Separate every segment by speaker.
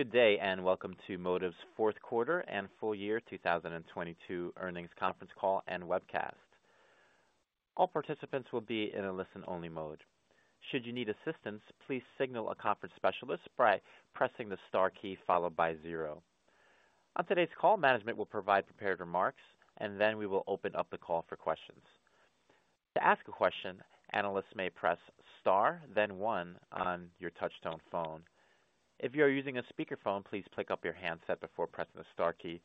Speaker 1: Good day, welcome to Modiv's Fourth Quarter and Full-Year 2022 Earnings Conference Call and Webcast. All participants will be in a listen-only mode. Should you need assistance, please signal a conference specialist by pressing the star key followed by zero. On today's call, management will provide prepared remarks and then we will open up the call for questions. To ask a question, analysts may press star, then one on your touchtone phone. If you are using a speakerphone, please pick up your handset before pressing the star key.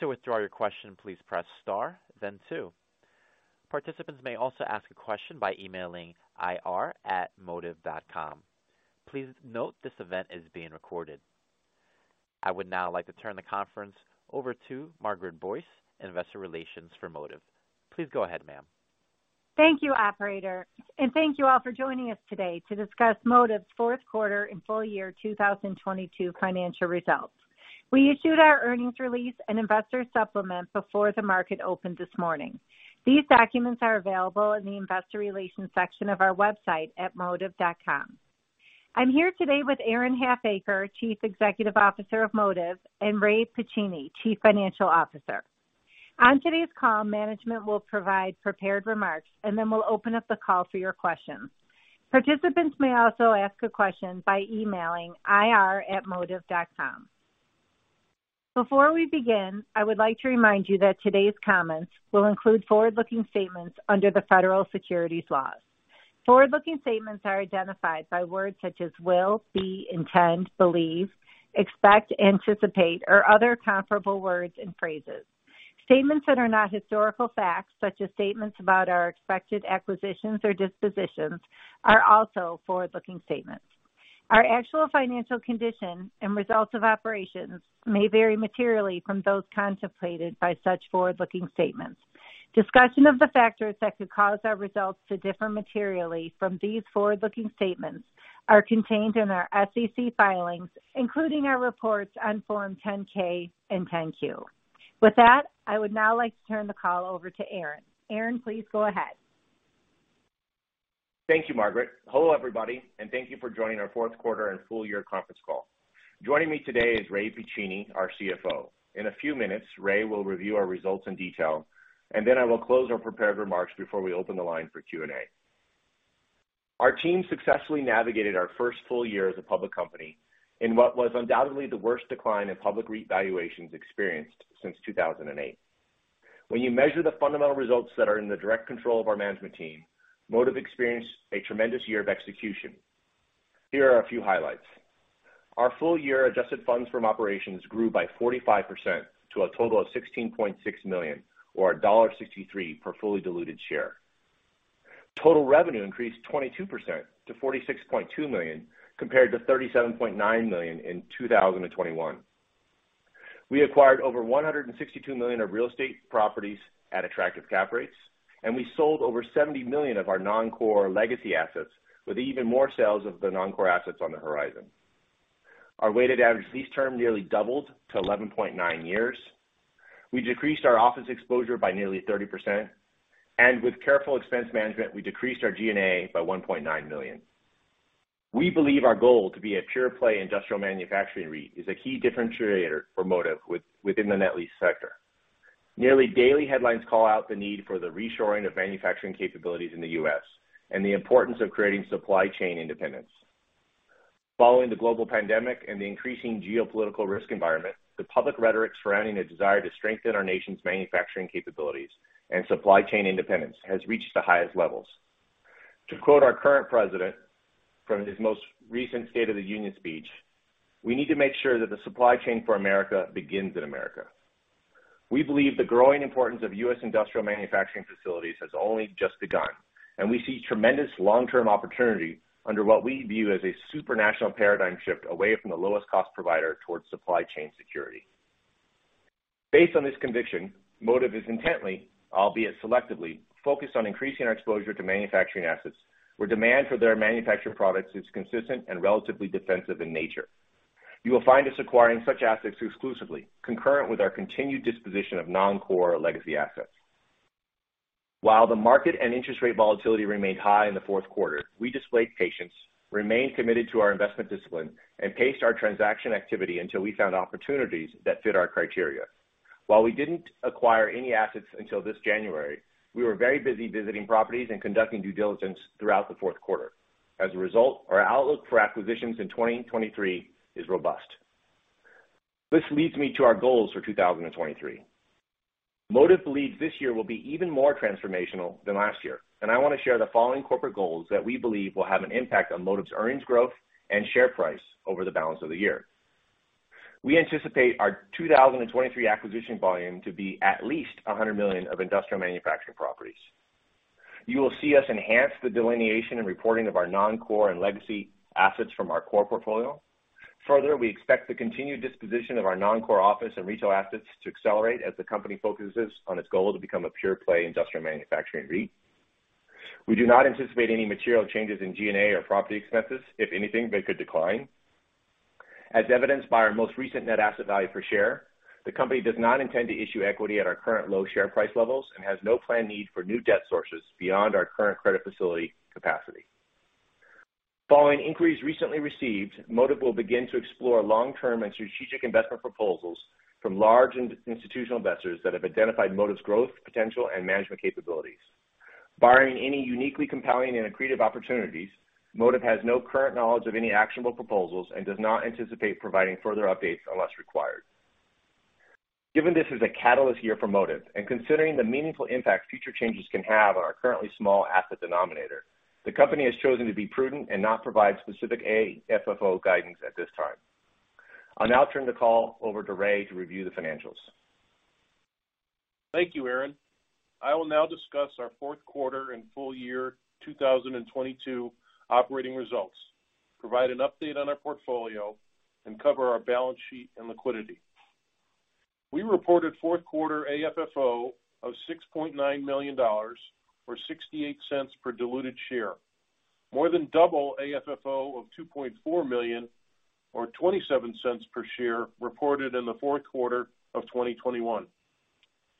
Speaker 1: To withdraw your question, please press star, then two. Participants may also ask a question by emailing ir@modiv.com. Please note this event is being recorded. I would now like to turn the conference over to Margaret Boyce, Investor Relations for Modiv. Please go ahead, ma'am.
Speaker 2: Thank you, operator, and thank you all for joining us today to discuss Modiv's fourth quarter and full-year 2022 financial results. We issued our earnings release and investor supplement before the market opened this morning. These documents are available in the Investor Relations section of our website at modiv.com. I'm here today with Aaron Halfacre, Chief Executive Officer of Modiv, and Ray Pacini, Chief Financial Officer. On today's call, management will provide prepared remarks. Then we'll open up the call for your questions. Participants may also ask a question by emailing ir@modiv.com. Before we begin, I would like to remind you that today's comments will include forward-looking statements under the federal securities laws. Forward-looking statements are identified by words such as will, be, intend, believe, expect, anticipate, or other comparable words and phrases. Statements that are not historical facts, such as statements about our expected acquisitions or dispositions, are also forward-looking statements. Our actual financial condition and results of operations may vary materially from those contemplated by such forward-looking statements. Discussion of the factors that could cause our results to differ materially from these forward-looking statements are contained in our SEC filings, including our reports on Form 10-K and 10-Q. With that, I would now like to turn the call over to Aaron. Aaron, please go ahead.
Speaker 3: Thank you, Margaret. Hello, everybody, and thank you for joining our fourth quarter and full year conference call. Joining me today is Ray Pacini, our CFO. In a few minutes, Ray will review our results in detail, and then I will close our prepared remarks before we open the line for Q&A. Our team successfully navigated our first full year as a public company in what was undoubtedly the worst decline in public REIT valuations experienced since 2008. When you measure the fundamental results that are in the direct control of our management team, Modiv experienced a tremendous year of execution. Here are a few highlights. Our full year adjusted funds from operations grew by 45% to a total of $16.6 million, or $1.63 per fully diluted share. Total revenue increased 22% to $46.2 million, compared to $37.9 million in 2021. We acquired over $162 million of real estate properties at attractive cap rates, and we sold over $70 million of our non-core legacy assets with even more sales of the non-core assets on the horizon. Our weighted average lease term nearly doubled to 11.9 years. We decreased our Office exposure by nearly 30%. With careful expense management, we decreased our G&A by $1.9 million. We believe our goal to be a pure play Industrial Manufacturing REIT is a key differentiator for Modiv within the net lease sector. Nearly daily headlines call out the need for the reshoring of manufacturing capabilities in the U.S. and the importance of creating supply chain independence. Following the global pandemic and the increasing geopolitical risk environment, the public rhetoric surrounding a desire to strengthen our nation's manufacturing capabilities and supply chain independence has reached the highest levels. To quote our current president from his most recent State of the Union speech, "We need to make sure that the supply chain for America begins in America." We believe the growing importance of U.S. Industrial Manufacturing facilities has only just begun, and we see tremendous long-term opportunity under what we view as a super national paradigm shift away from the lowest cost provider towards supply chain security. Based on this conviction, Modiv is intently, albeit selectively, focused on increasing our exposure to manufacturing assets where demand for their manufactured products is consistent and relatively defensive in nature. You will find us acquiring such assets exclusively, concurrent with our continued disposition of non-core legacy assets. While the market and interest rate volatility remained high in the fourth quarter, we displayed patience, remained committed to our investment discipline, and paced our transaction activity until we found opportunities that fit our criteria. While we didn't acquire any assets until this January, we were very busy visiting properties and conducting due diligence throughout the fourth quarter. As a result, our outlook for acquisitions in 2023 is robust. This leads me to our goals for 2023. Modiv believes this year will be even more transformational than last year. I want to share the following corporate goals that we believe will have an impact on Modiv's earnings growth and share price over the balance of the year. We anticipate our 2023 acquisition volume to be at least $100 million of Industrial Manufacturing properties. You will see us enhance the delineation and reporting of our non-core and legacy assets from our core portfolio. We expect the continued disposition of our non-core Office and Retail assets to accelerate as the company focuses on its goal to become a pure play Industrial Manufacturing REIT. We do not anticipate any material changes in G&A or property expenses. If anything, they could decline. As evidenced by our most recent net asset value per share, the company does not intend to issue equity at our current low share price levels and has no planned need for new debt sources beyond our current credit facility capacity. Following inquiries recently received, Modiv will begin to explore long-term and strategic investment proposals from large institutional investors that have identified Modiv's growth potential and management capabilities. Barring any uniquely compelling and accretive opportunities, Modiv has no current knowledge of any actionable proposals and does not anticipate providing further updates unless required. Given this is a catalyst year for Modiv and considering the meaningful impact future changes can have on our currently small asset denominator, the company has chosen to be prudent and not provide specific AFFO guidance at this time. I'll now turn the call over to Ray to review the financials.
Speaker 4: Thank you, Aaron. I will now discuss our fourth quarter and full year 2022 operating results, provide an update on our portfolio, and cover our balance sheet and liquidity. We reported fourth quarter AFFO of $6.9 million, or $0.68 per diluted share, more than double AFFO of $2.4 million or $0.27 per share reported in the fourth quarter of 2021.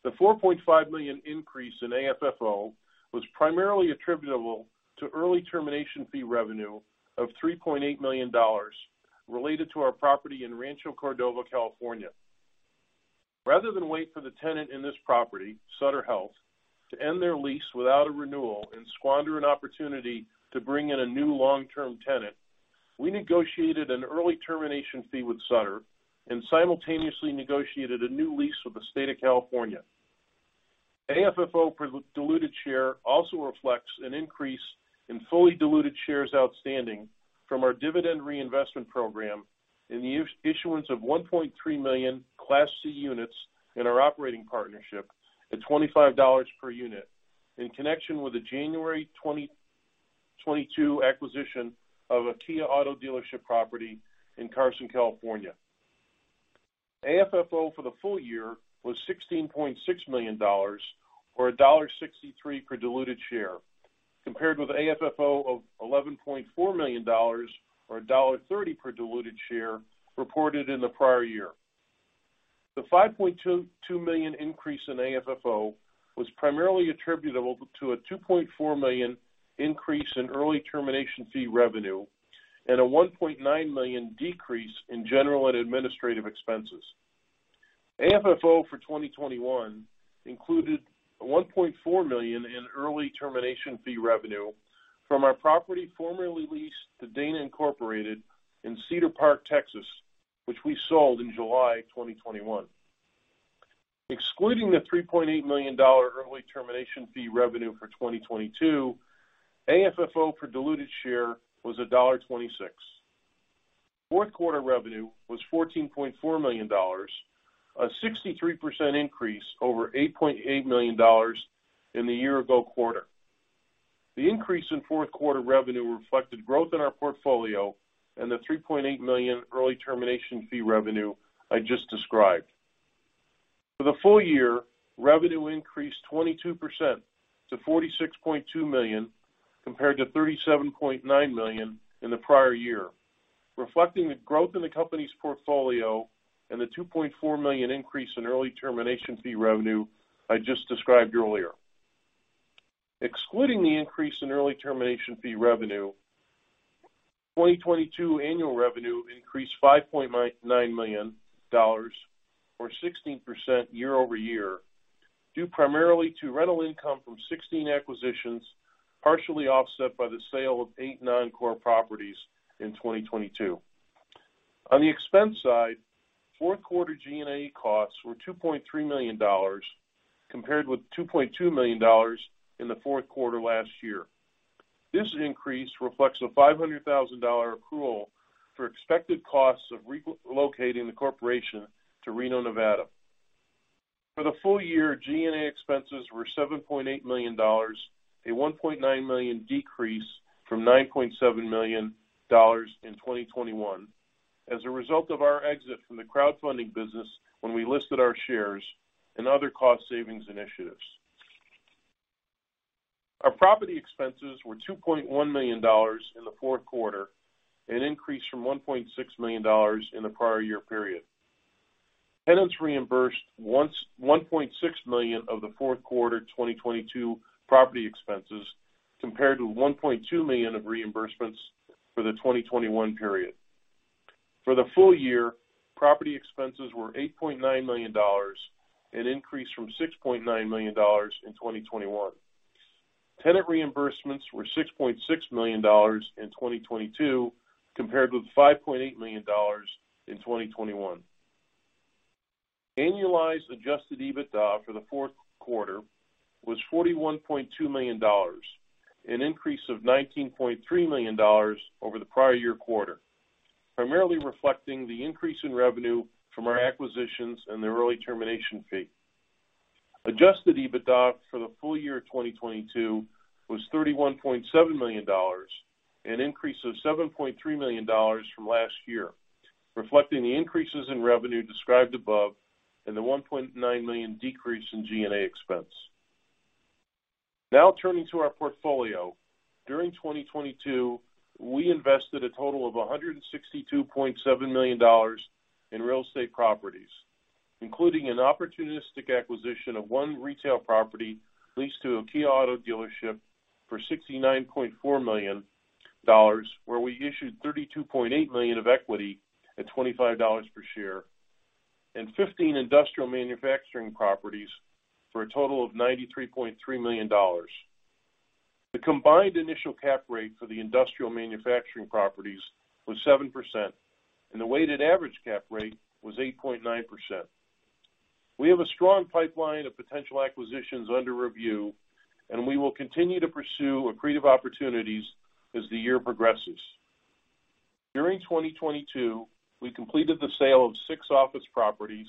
Speaker 4: The $4.5 million increase in AFFO was primarily attributable to early termination fee revenue of $3.8 million related to our property in Rancho Cordova, California. Rather than wait for the tenant in this property, Sutter Health, to end their lease without a renewal and squander an opportunity to bring in a new long-term tenant, we negotiated an early termination fee with Sutter and simultaneously negotiated a new lease with the state of California. AFFO per diluted share also reflects an increase in fully diluted shares outstanding from our dividend reinvestment program and the issuance of 1.3 million Class C units in our operating partnership at $25 per unit in connection with the January 2022 acquisition of a KIA auto dealership property in Carson, California. AFFO for the full year was $16.6 million, or $1.63 per diluted share, compared with AFFO of $11.4 million or $1.30 per diluted share reported in the prior year. The $5.2 million increase in AFFO was primarily attributable to a $2.4 million increase in early termination fee revenue and a $1.9 million decrease in general and administrative expenses. AFFO for 2021 included a $1.4 million in early termination fee revenue from our property formerly leased to Dana Incorporated in Cedar Park, Texas, which we sold in July 2021. Excluding the $3.8 million early termination fee revenue for 2022, AFFO per diluted share was $1.26. Fourth quarter revenue was $14.4 million, a 63% increase over $8.8 million in the year-ago quarter. The increase in fourth quarter revenue reflected growth in our portfolio and the $3.8 million early termination fee revenue I just described. For the full year, revenue increased 22% to $46.2 million, compared to $37.9 million in the prior year, reflecting the growth in the company's portfolio and the $2.4 million increase in early termination fee revenue I just described earlier. Excluding the increase in early termination fee revenue, 2022 annual revenue increased $5.99 million, or 16% year-over-year, due primarily to rental income from 16 acquisitions, partially offset by the sale of eight non-core properties in 2022. On the expense side, fourth quarter G&A costs were $2.3 million, compared with $2.2 million in the fourth quarter last year. This increase reflects a $500,000 accrual for expected costs of relocating the corporation to Reno, Nevada. For the full year, G&A expenses were $7.8 million, a $1.9 million decrease from $9.7 million in 2021 as a result of our exit from the crowdfunding business when we listed our shares and other cost savings initiatives. Our property expenses were $2.1 million in the fourth quarter, an increase from $1.6 million in the prior year period. Tenants reimbursed $1.6 million of the fourth quarter 2022 property expenses compared to $1.2 million of reimbursements for the 2021 period. For the full year, property expenses were $8.9 million, an increase from $6.9 million in 2021. Tenant reimbursements were $6.6 million in 2022, compared with $5.8 million in 2021. Annualized Adjusted EBITDA for the fourth quarter was $41.2 million, an increase of $19.3 million over the prior year quarter, primarily reflecting the increase in revenue from our acquisitions and the early termination fee. Adjusted EBITDA for the full year 2022 was $31.7 million, an increase of $7.3 million from last year, reflecting the increases in revenue described above and the $1.9 million decrease in G&A expense. Turning to our portfolio. During 2022, we invested a total of $162.7 million in real estate properties. Including an opportunistic acquisition of one Retail property leased to a KIA auto dealership for $69.4 million, where we issued $32.8 million of equity at $25 per share, and 15 Industrial Manufacturing properties for a total of $93.3 million. The combined initial cap rate for the Industrial Manufacturing properties was 7%, and the weighted average cap rate was 8.9%. We have a strong pipeline of potential acquisitions under review, we will continue to pursue accretive opportunities as the year progresses. During 2022, we completed the sale of six Office properties,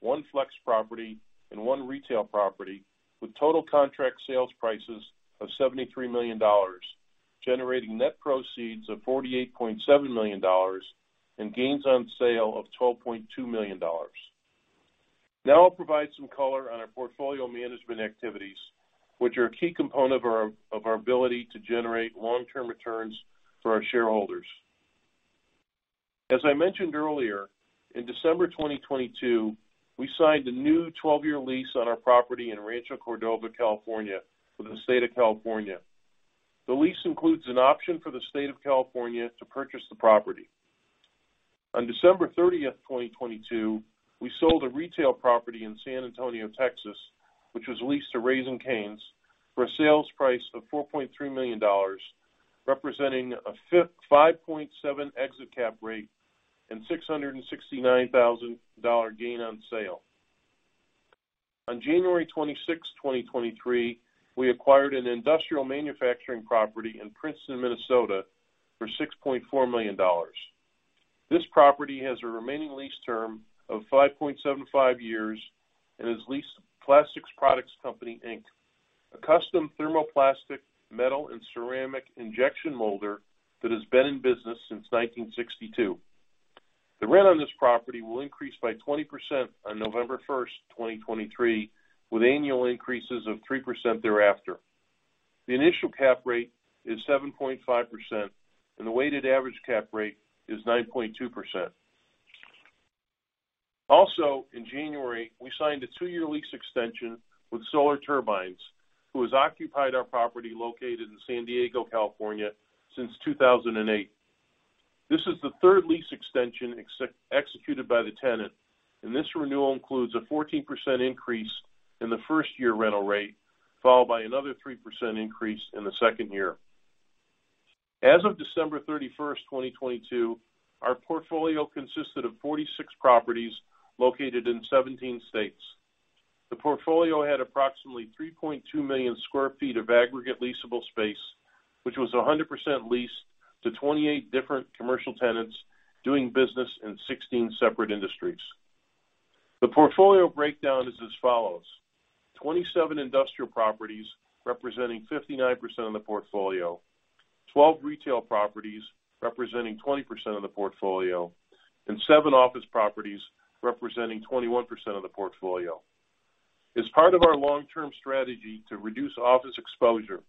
Speaker 4: one flex property, and one Retail property, with total contract sales prices of $73 million, generating net proceeds of $48.7 million and gains on sale of $12.2 million. I'll provide some color on our portfolio management activities, which are a key component of our ability to generate long-term returns for our shareholders. As I mentioned earlier, in December 2022, we signed a new 12-year lease on our property in Rancho Cordova, California, for the State of California. The lease includes an option for the State of California to purchase the property. On December 30, 2022, we sold a Retail property in San Antonio, Texas, which was leased to Raising Cane's, for a sales price of $4.3 million, representing a 5.7% exit cap rate and $669,000 gain on sale. On January 26, 2023, we acquired an Industrial Manufacturing property in Princeton, Minnesota, for $6.4 million. This property has a remaining lease term of 5.75 years and is leased to Plastic Products Company, Inc., a custom thermoplastic metal and ceramic injection molder that has been in business since 1962. The rent on this property will increase by 20% on November 1, 2023, with annual increases of 3% thereafter. The initial cap rate is 7.5%, and the weighted average cap rate is 9.2%. In January, we signed a two-year lease extension with Solar Turbines, who has occupied our property located in San Diego, California, since 2008. This is the third lease extension executed by the tenant, this renewal includes a 14% increase in the first-year rental rate, followed by another 3% increase in the 2nd year. As of December 31, 2022, our portfolio consisted of 46 properties located in 17 states. The portfolio had approximately 3.2 million sq ft of aggregate leasable space, which was 100% leased to 28 different commercial tenants doing business in 16 separate industries. The portfolio breakdown is as follows: 27 Industrial properties representing 59% of the portfolio, 12 Retail properties representing 20% of the portfolio, seven Office properties representing 21% of the portfolio. As part of our long-term strategy to reduce Office exposure,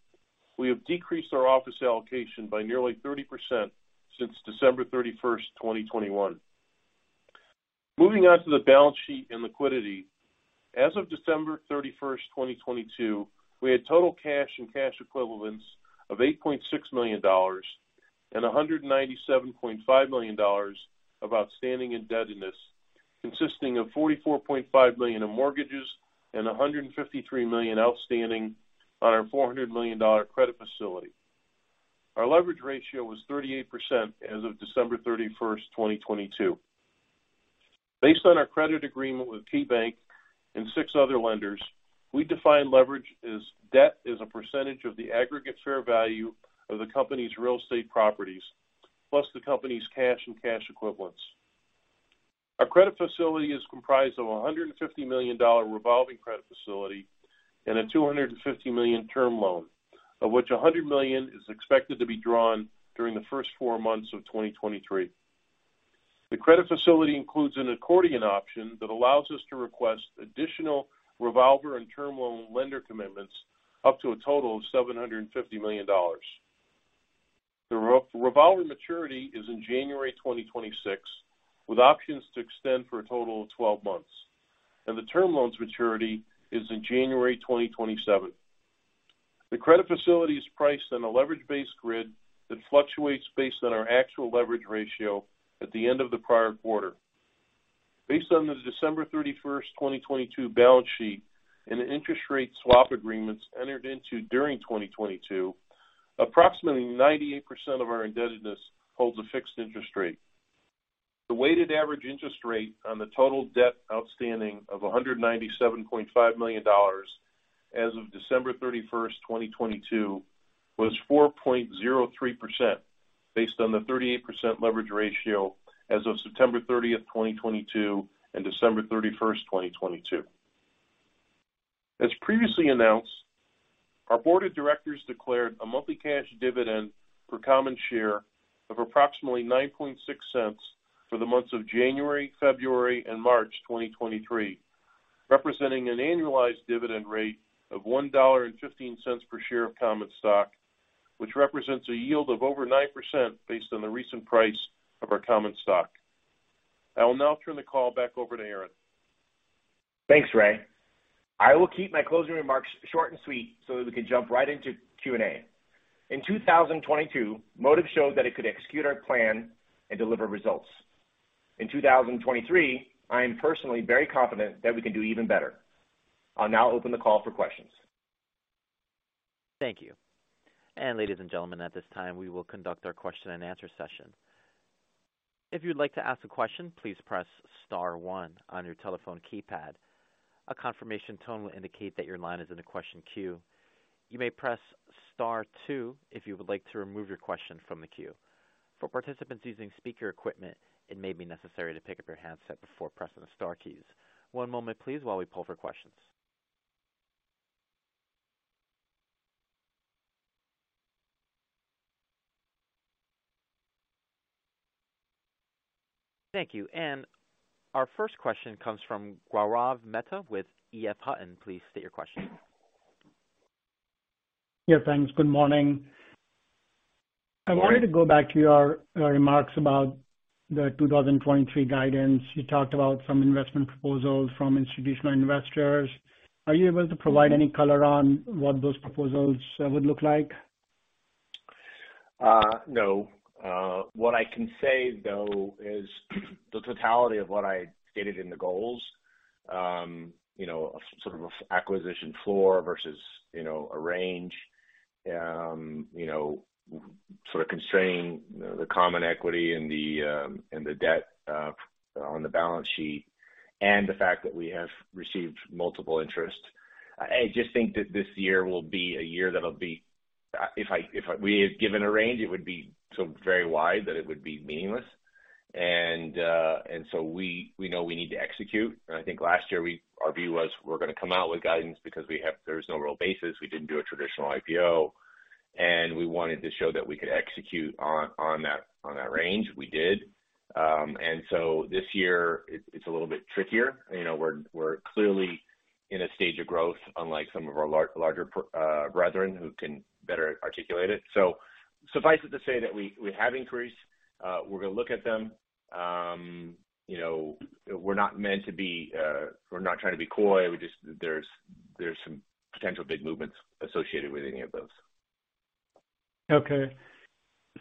Speaker 4: we have decreased our Office allocation by nearly 30% since December 31st, 2021. Moving on to the balance sheet and liquidity. As of December 31st, 2022, we had total cash and cash equivalents of $8.6 million and $197.5 million of outstanding indebtedness, consisting of $44.5 million in mortgages and $153 million outstanding on our $400 million credit facility. Our leverage ratio was 38% as of December 31st, 2022. Based on our credit agreement with KeyBank and six other lenders, we define leverage as debt as a percentage of the aggregate fair value of the company's real estate properties, plus the company's cash and cash equivalents. Our credit facility is comprised of a $150 million revolving credit facility and a $250 million term loan, of which $100 million is expected to be drawn during the first four months of 2023. The credit facility includes an accordion option that allows us to request additional revolver and term loan lender commitments up to a total of $750 million. The revolver maturity is in January 2026, with options to extend for a total of 12 months, and the term loan's maturity is in January 2027. The credit facility is priced on a leverage-based grid that fluctuates based on our actual leverage ratio at the end of the prior quarter. Based on the December 31, 2022 balance sheet and the interest rate swap agreements entered into during 2022, approximately 98% of our indebtedness holds a fixed interest rate. The weighted average interest rate on the total debt outstanding of $197.5 million as of December 31, 2022 was 4.03% based on the 38% leverage ratio as of September 30, 2022 and December 31, 2022. As previously announced, our board of directors declared a monthly cash dividend per common share of approximately $0.096 for the months of January, February, and March 2023. Representing an annualized dividend rate of $1.15 per share of common stock, which represents a yield of over 9% based on the recent price of our common stock. I will now turn the call back over to Aaron.
Speaker 3: Thanks, Ray. I will keep my closing remarks short and sweet so that we can jump right into Q&A. In 2022, Modiv showed that it could execute our plan and deliver results. In 2023, I am personally very confident that we can do even better. I'll now open the call for questions.
Speaker 1: Thank you. Ladies and gentlemen, at this time we will conduct our question-and-answer session. If you'd like to ask a question, please press star one on your telephone keypad. A confirmation tone will indicate that your line is in the question queue. You may press star two if you would like to remove your question from the queue. For participants using speaker equipment, it may be necessary to pick up your handset before pressing the star keys. One moment please while we pull for questions. Thank you. Our first question comes from Gaurav Mehta with EF Hutton. Please state your question.
Speaker 5: Yeah, thanks. Good morning. I wanted to go back to your remarks about the 2023 guidance. You talked about some investment proposals from institutional investors. Are you able to provide any color on what those proposals would look like? ,
Speaker 3: though, is the totality of what I stated in the goals, you know, sort of acquisition floor versus, you know, a range, sort of constraining the common equity and the debt on the balance sheet and the fact that we have received multiple interests. I just think that this year will be a year that will be. If we had given a range, it would be so very wide that it would be meaningless. So we know we need to execute. I think last year our view was we're going to come out with guidance because there's no real basis. We didn't do a traditional IPO, and we wanted to show that we could execute on that, on that range. We did This year it's a little bit trickier. You know, we're clearly in a stage of growth, unlike some of our larger brethren who can better articulate it. Suffice it to say that we have inquiries. We're going to look at them. You know, we're not meant to be, we're not trying to be coy. There's some potential big movements associated with any of those.
Speaker 5: Okay.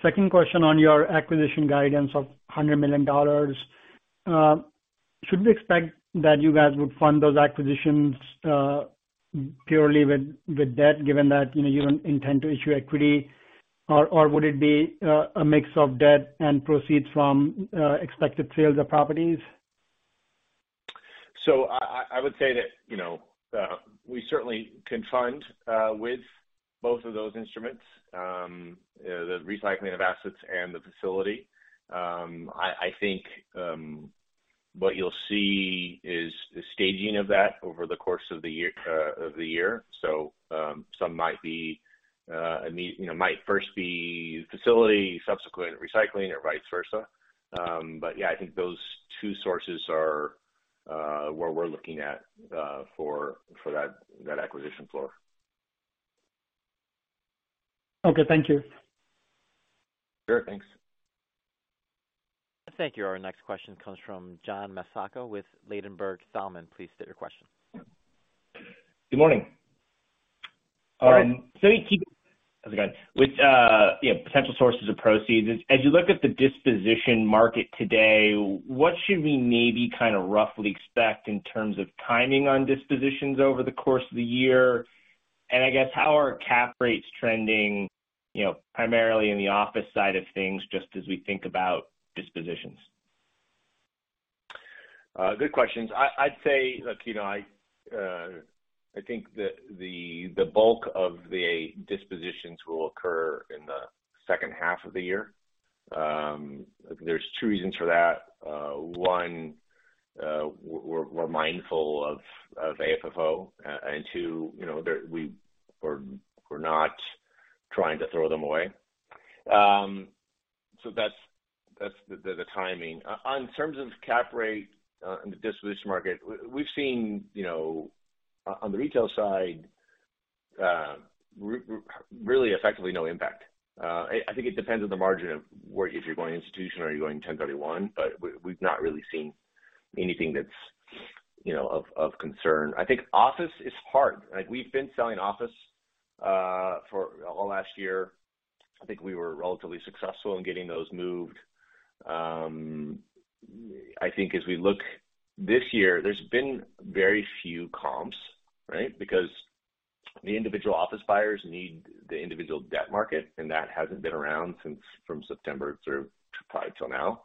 Speaker 5: Second question on your acquisition guidance of $100 million. Should we expect that you guys would fund those acquisitions, purely with debt, given that, you know, you don't intend to issue equity? Would it be a mix of debt and proceeds from expected sales of properties?
Speaker 3: I would say that, you know, we certainly can fund with both of those instruments, the recycling of assets and the facility. I think what you'll see is the staging of that over the course of the year. Some might be, you know, might first be facility, subsequent recycling or vice versa. Yeah, I think those two sources are where we're looking at for that acquisition floor.
Speaker 5: Okay. Thank you.
Speaker 3: Sure. Thanks.
Speaker 1: Thank you. Our next question comes from John Massocca with Ladenburg Thalmann. Please state your question.
Speaker 6: Good morning. How's it going? With, you know, potential sources of proceeds, as you look at the disposition market today, what should we maybe kind of roughly expect in terms of timing on dispositions over the course of the year? I guess how are cap rates trending, you know, primarily in the Office side of things just as we think about dispositions?
Speaker 3: Good questions. I'd say, look, you know, I think that the bulk of the dispositions will occur in the second half of the year. There's two reasons for that. One, we're mindful of AFFO. Two, you know, we're not trying to throw them away. That's the timing. On terms of cap rate and the disposition market, we've seen, you know, on the Retail side, really effectively no impact. I think it depends on the margin of where if you're going institutional or you're going 1031, but we've not really seen anything that's, you know, of concern. I think Office is hard. Like, we've been selling Office for all last year. I think we were relatively successful in getting those moved. I think as we look this year, there's been very few comps, right? Because the individual Office buyers need the individual debt market, and that hasn't been around since from September through probably till now.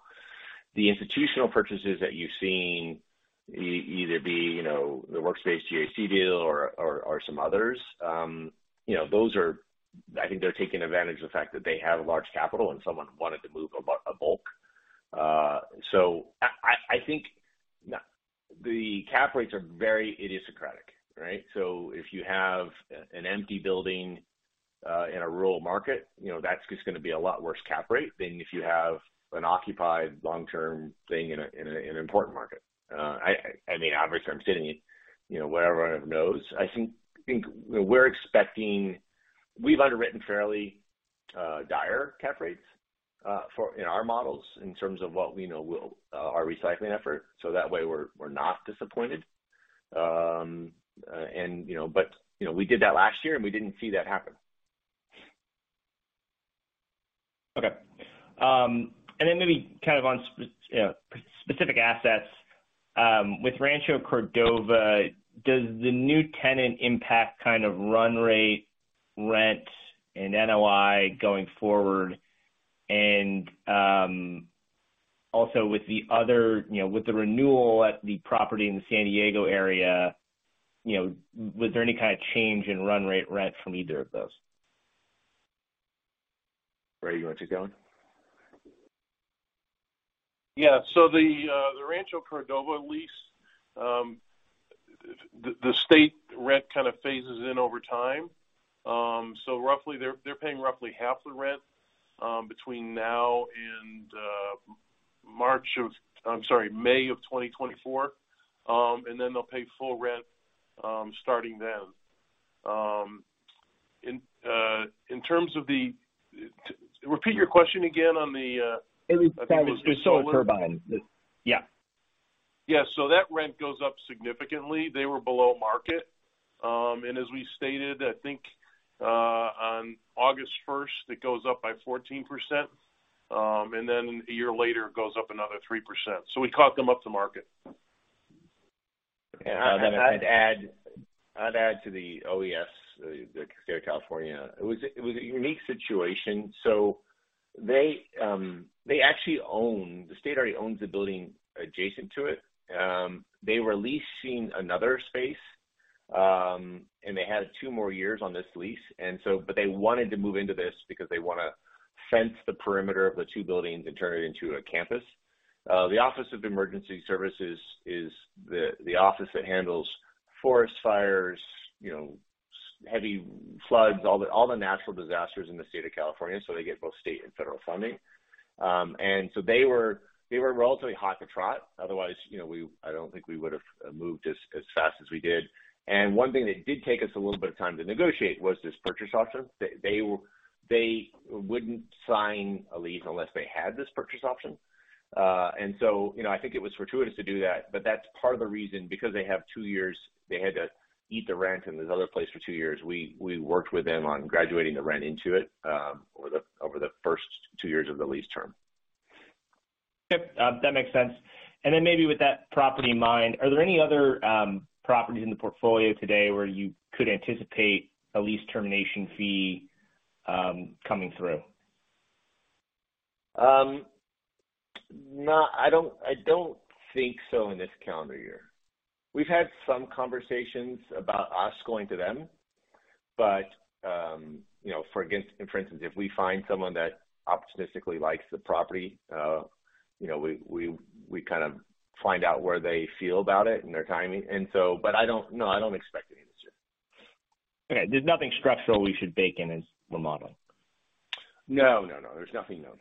Speaker 3: The institutional purchases that you've seen either be, you know, the Workspace Property Trust GIC deal or some others, you know, I think they're taking advantage of the fact that they have a large capital and someone wanted to move a bulk. I think the cap rates are very idiosyncratic, right? If you have an empty building in a rural market, you know, that's just gonna be a lot worse cap rate than if you have an occupied long-term thing in an important market. I mean, obviously, I'm sitting in, you know, where everyone knows. We've underwritten fairly dire cap rates in our models in terms of what we know will our recycling effort, so that way we're not disappointed. You know, we did that last year, and we didn't see that happen.
Speaker 6: Okay. And then maybe kind of on you know, specific assets, with Rancho Cordova, does the new tenant impact kind of run rate, rent, and NOI going forward? And also with the other, you know, with the renewal at the property in the San Diego area, you know, was there any kind of change in run rate rent from either of those?
Speaker 3: Ray, you want to take that one?
Speaker 4: Yeah. The Rancho Cordova lease, the state rent kind of phases in over time. Roughly they're paying roughly half the rent, between now and March of, I'm sorry, May of 2024. Then they'll pay full rent, starting then. In terms of the. Repeat your question again on the, I think it was?
Speaker 6: It was the. Yeah.
Speaker 4: Yeah. That rent goes up significantly. They were below market. As we stated, I think, on August 1st, it goes up by 14%, and then a year later, it goes up another 3%. We caught them up to market.
Speaker 3: Yeah. I'd add to the OES, the State of California. It was a unique situation. The state already owns the building adjacent to it. They were leasing another space, and they had two more years on this lease. They wanted to move into this because they wanna fence the perimeter of the two buildings and turn it into a campus. The Office of Emergency Services is the office that handles forest fires, you know, heavy floods, all the natural disasters in the State of California, so they get both state and federal funding. They were relatively hot to trot. Otherwise, you know, I don't think we would've moved as fast as we did. One thing that did take us a little bit of time to negotiate was this purchase option. They wouldn't sign a lease unless they had this purchase option. So, you know, I think it was fortuitous to do that, but that's part of the reason because they have two years, they had to eat the rent in this other place for two years. We worked with them on graduating the rent into it over the first two years of the lease term.
Speaker 6: Yep. That makes sense. Maybe with that property in mind, are there any other properties in the portfolio today where you could anticipate a lease termination fee coming through?
Speaker 3: No, I don't, I don't think so in this calendar year. We've had some conversations about us going to them. You know, for instance, if we find someone that opportunistically likes the property, you know, we kind of find out where they feel about it and their timing. No, I don't expect any this year.
Speaker 6: Okay. There's nothing structural we should bake in as we're modeling.
Speaker 3: No, no. There's nothing, no.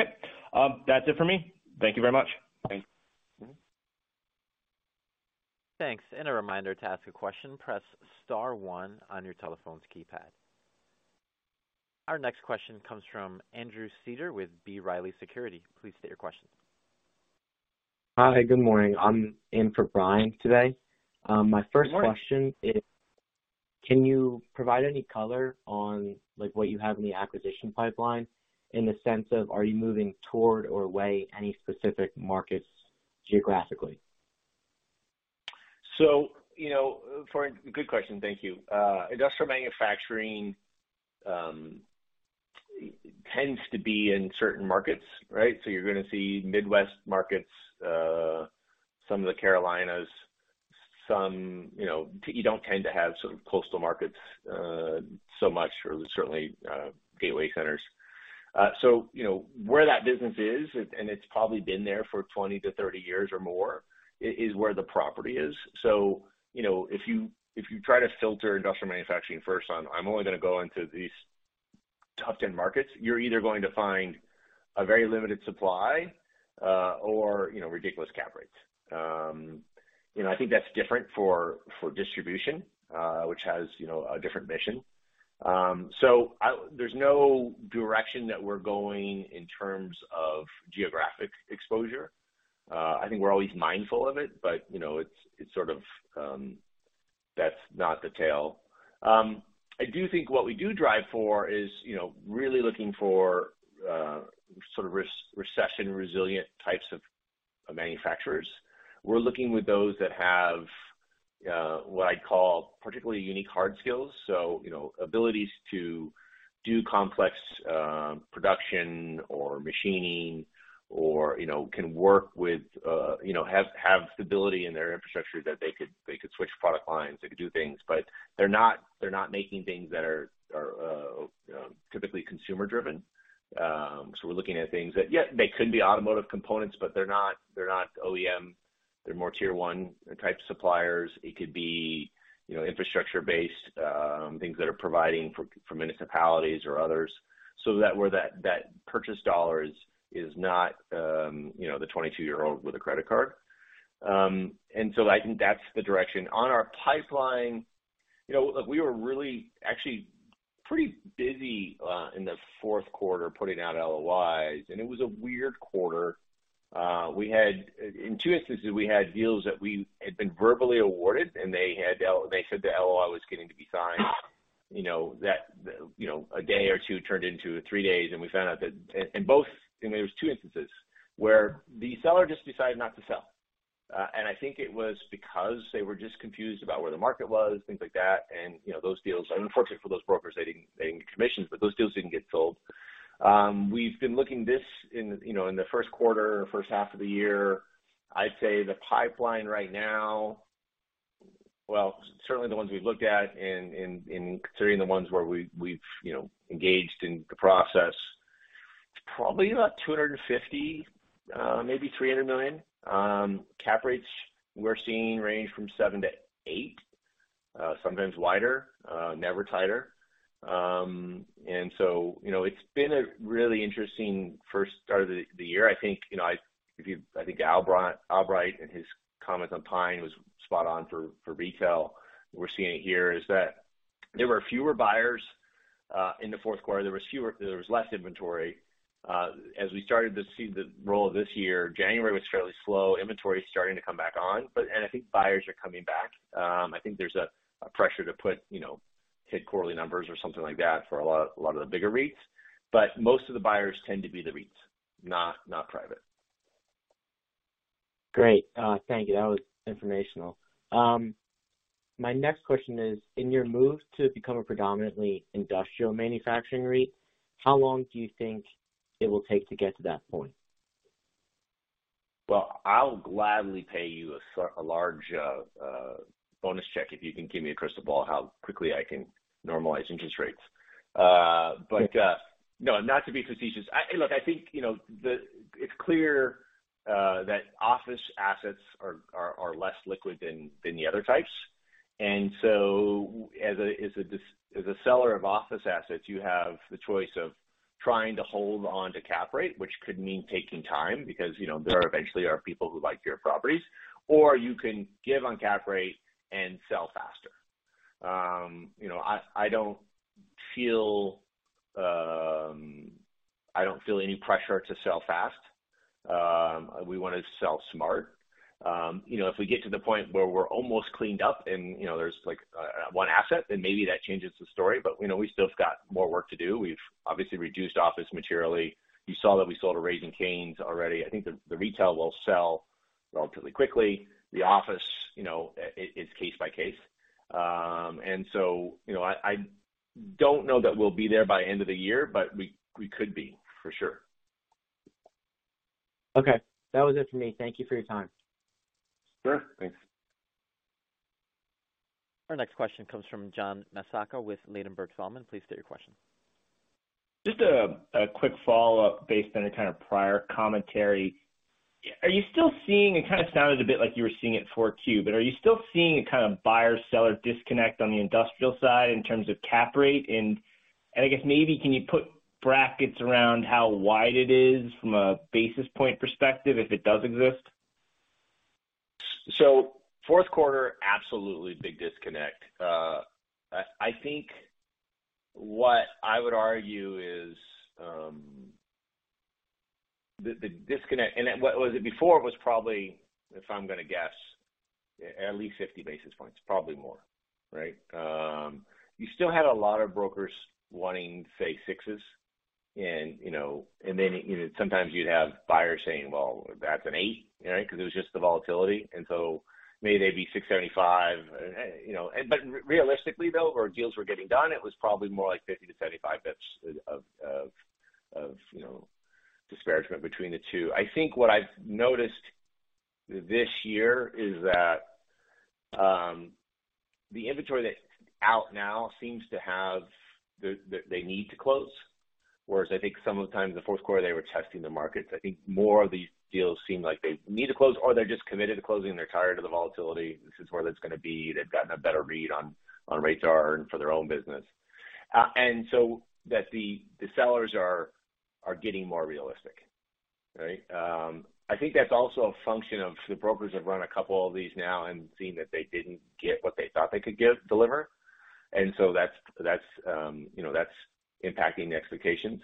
Speaker 6: Okay. That's it for me. Thank you very much.
Speaker 3: Thanks. Mm-hmm.
Speaker 1: Thanks. A reminder to ask a question, press star one on your telephone's keypad. Our next question comes from Andrew [D'Silva] with B. Riley Securities. Please state your question.
Speaker 7: Hi, good morning. I'm in for Brian today. My first question-
Speaker 3: Good morning.
Speaker 7: Can you provide any color on, like, what you have in the acquisition pipeline in the sense of, are you moving toward or away any specific markets geographically?
Speaker 3: You know, for Good question. Thank you. Industrial manufacturing tends to be in certain markets, right? You're going to see Midwest markets, some of the Carolinas, some, you know. You don't tend to have sort of coastal markets so much, or certainly, gateway centers. You know, where that business is, and it's probably been there for 20-30 years or more, is where the property is. You know, if you try to filter Industrial Manufacturing first on, "I'm only going to go into these top 10 markets," you're either going to find a very limited supply, or, you know, ridiculous cap rates. You know, I think that's different for distribution, which has, you know, a different mission. There's no direction that we're going in terms of geographic exposure. I think we're always mindful of it, but, you know, it's sort of, that's not the tale. I do think what we do drive for is, you know, really looking for, sort of recession resilient types of manufacturers. We're looking with those that have, what I'd call particularly unique hard skills. So, you know, abilities to do complex production or machining or, you know, can work with, you know, have stability in their infrastructure that they could, they could switch product lines, they could do things. They're not, they're not making things that are typically consumer driven. We're looking at things that, yeah, they could be automotive components, but they're not, they're not OEM, they're more tier one type suppliers. It could be, you know, infrastructure-based, things that are providing for municipalities or others. That where that purchase dollars is not, you know, the 22-year-old with a credit card. I think that's the direction. On our pipeline, you know, look, we were really actually pretty busy in the fourth quarter putting out LOIs, and it was a weird quarter. In two instances, we had deals that we had been verbally awarded, and they said the LOI was getting to be signed, you know, that, you know, a day or two turned into three days, and we found out that There was two instances where the seller just decided not to sell. I think it was because they were just confused about where the market was, things like that. You know, those deals. Unfortunately for those brokers, they didn't get commissions, but those deals didn't get sold. We've been looking this in, you know, in the first quarter, first half of the year. I'd say the pipeline right now. Well, certainly the ones we've looked at in considering the ones where we've, you know, engaged in the process, it's probably about $250 million, maybe $300 million. Cap rates we're seeing range from 7% to 8%, sometimes wider, never tighter. So, you know, it's been a really interesting first start of the year. I think, you know, I think Albright and his comments on PINE was spot on for Retail. We're seeing it here is that there were fewer buyers in the fourth quarter. There was less inventory. As we started to see the roll of this year, January was fairly slow. Inventory is starting to come back on. I think buyers are coming back. I think there's a pressure to put, you know, hit quarterly numbers or something like that for a lot of the bigger REITs. Most of the buyers tend to be the REITs, not private.
Speaker 7: Great. thank you. That was informational. My next question is, in your move to become a predominantly Industrial Manufacturing REIT, how long do you think it will take to get to that point?
Speaker 3: Well, I'll gladly pay you a large bonus check if you can give me a crystal ball how quickly I can normalize interest rates. No, not to be facetious. Look, I think, you know, It's clear that Office assets are less liquid than the other types. As a seller of Office assets, you have the choice of trying to hold on to cap rate, which could mean taking time because, you know, there eventually are people who like your properties, or you can give on cap rate and sell faster. you know, I don't feel any pressure to sell fast. We wanna sell smart. You know, if we get to the point where we're almost cleaned up and, you know, there's like, one asset, then maybe that changes the story, but, you know, we still have got more work to do. We've obviously reduced Office materially. You saw that we sold a Raising Cane's already. I think the Retail will sell relatively quickly. The Office, you know, it's case by case. You know, I don't know that we'll be there by end of the year, but we could be for sure.
Speaker 7: Okay. That was it for me. Thank you for your time.
Speaker 3: Sure. Thanks.
Speaker 1: Our next question comes from John Massocca with Ladenburg Thalmann. Please state your question.
Speaker 6: Just a quick follow-up based on a kind of prior commentary. Are you still seeing, it kind of sounded a bit like you were seeing it in 4Q, but are you still seeing a kind of buyer-seller disconnect on the industrial side in terms of cap rate? I guess maybe can you put brackets around how wide it is from a basis point perspective, if it does exist?
Speaker 3: Fourth quarter, absolutely big disconnect. I think what I would argue is, the disconnect what was it before was probably, if I'm gonna guess, at least 50 basis points, probably more, right? You still had a lot of brokers wanting, say, 6s and, you know, and then, you know, sometimes you'd have buyers saying, "Well, that's an 8." You know what I mean? Because it was just the volatility, and so maybe they'd be 675. Realistically, though, where deals were getting done, it was probably more like 50-75 basis points of, you know, disparagement between the two. I think what I've noticed this year is that, the inventory that's out now seems to have the they need to close. Whereas I think some of the time in the fourth quarter, they were testing the markets. I think more of these deals seem like they need to close or they're just committed to closing, they're tired of the volatility. This is where that's gonna be. They've gotten a better read on rates are earned for their own business. So that the sellers are getting more realistic, right? I think that's also a function of the brokers have run a couple of these now and seen that they didn't get what they thought they could deliver. That's, you know, that's impacting the expectations.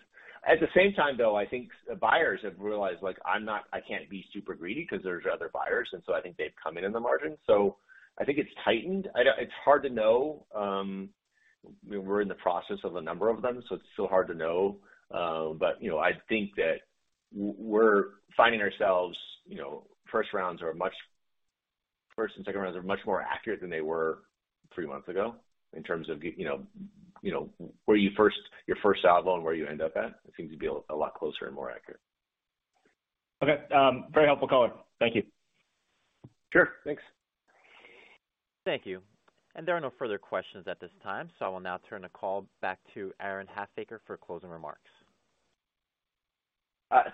Speaker 3: At the same time, though, I think buyers have realized, like, I can't be super greedy because there's other buyers, I think they've come in in the margin. I think it's tightened. It's hard to know. We're in the process of a number of them, so it's still hard to know. You know, I think that we're finding ourselves, you know, First and second rounds are much more accurate than they were three months ago in terms of you know, you know, where your first out loan, where you end up at. It seems to be a lot closer and more accurate.
Speaker 6: Okay. very helpful color. Thank you.
Speaker 3: Sure. Thanks.
Speaker 1: Thank you. There are no further questions at this time. I will now turn the call back to Aaron Halfacre for closing remarks.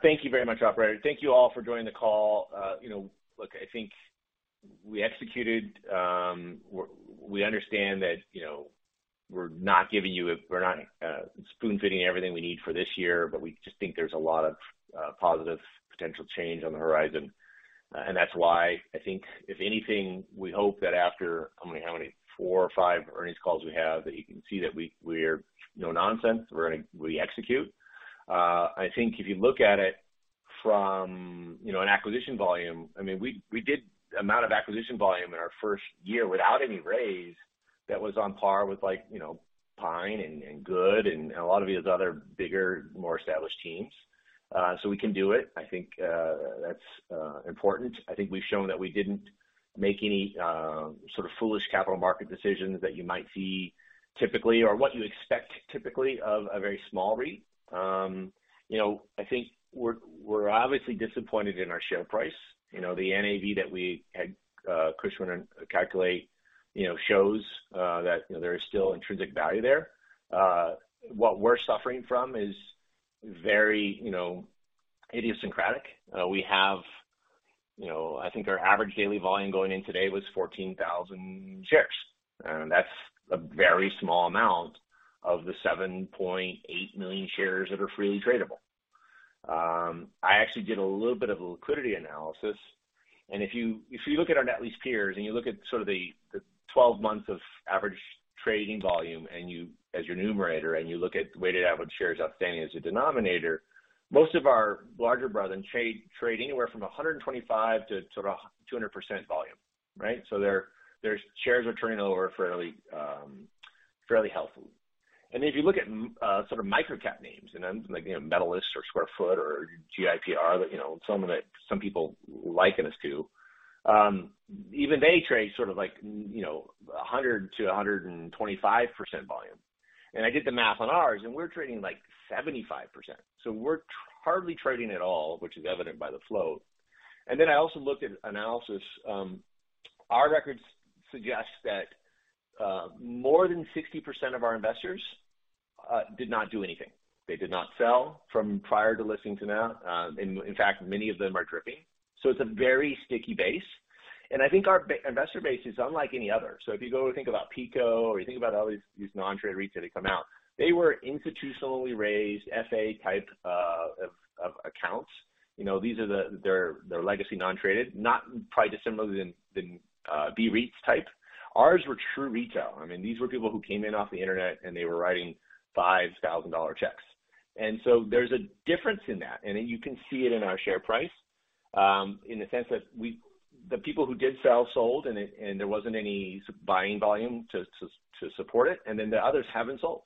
Speaker 3: Thank you very much, operator. Thank you all for joining the call. You know, look, I think we executed. We understand that, you know, we're not giving you we're not spoon-feeding everything we need for this year, but we just think there's a lot of positive potential change on the horizon. That's why I think, if anything, we hope that after, how many? Four or five earnings calls we have, that you can see that we're no nonsense. We execute. I think if you look at it from, you know, an acquisition volume, I mean, we did amount of acquisition volume in our first year without any raise that was on par with, like, you know, PINE and GOOD and a lot of these other bigger, more established teams. We can do it. I think that's important. I think we've shown that we didn't make any sort of foolish capital market decisions that you might see typically or what you expect typically of a very small REIT. You know, I think we're obviously disappointed in our share price. You know, the NAV that we had Cushman calculate, you know, shows that, you know, there is still intrinsic value there. What we're suffering from is very, you know, idiosyncratic. We have, you know, I think our average daily volume going in today was 14,000 shares. That's a very small amount of the 7.8 million shares that are freely tradable. I actually did a little bit of a liquidity analysis. If you look at our net lease peers and you look at sort of the 12 months of average trading volume as your numerator, and you look at weighted average shares outstanding as your denominator, most of our larger brothers trade anywhere from 125%-200% volume, right? Their shares are turning over fairly healthy. If you look at sort of microcap names and then like, you know, Medalist or SQFT or GIPR, you know, some that some people liken us to, even they trade sort of like, you know, 100%-125% volume. I did the math on ours, and we're trading like 75%. We're hardly trading at all, which is evident by the float. I also looked at analysis. Our records suggest that more than 60% of our investors did not do anything. They did not sell from prior to listing to now. In fact, many of them are dripping. It's a very sticky base. I think our investor base is unlike any other. If you go to think about PICO or you think about all these non-traded REITs that have come out, they were institutionally raised, FA type accounts. You know, these are they're legacy non-traded, not probably dissimilar than B REITs type. Ours were true Retail. I mean, these were people who came in off the Internet, and they were writing $5,000 checks. There's a difference in that. You can see it in our share price, in the sense that the people who did sell sold, and there wasn't any buying volume to support it, and then the others haven't sold.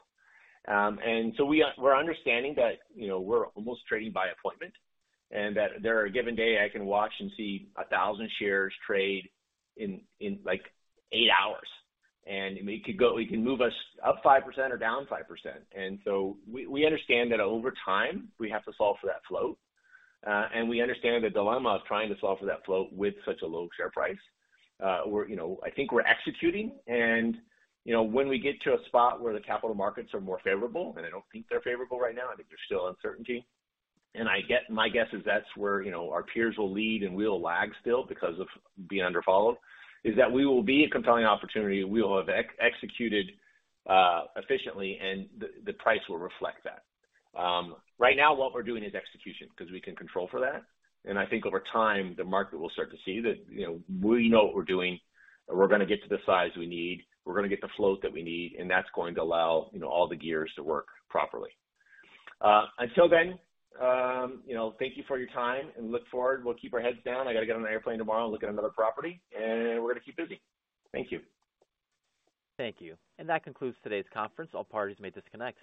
Speaker 3: We, we're understanding that, you know, we're almost trading by appointment and that there are a given day I can watch and see 1,000 shares trade in like eight hours. It can move us up 5% or down 5%. We, we understand that over time, we have to solve for that float. We understand the dilemma of trying to solve for that float with such a low share price. We're, you know, I think we're executing. You know, when we get to a spot where the capital markets are more favorable, I don't think they're favorable right now. I think there's still uncertainty. My guess is that's where, you know, our peers will lead and we'll lag still because of being under followed, is that we will be a compelling opportunity. We will have executed efficiently, and the price will reflect that. Right now, what we're doing is execution because we can control for that. I think over time, the market will start to see that, you know, we know what we're doing. We're gonna get to the size we need. We're gonna get the float that we need, and that's going to allow, you know, all the gears to work properly. Until then, you know, thank you for your time and look forward. We'll keep our heads down. I gotta get on an airplane tomorrow and look at another property, and we're gonna keep busy. Thank you.
Speaker 1: Thank you. That concludes today's conference. All parties may disconnect.